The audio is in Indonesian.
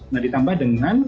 nah ditambah dengan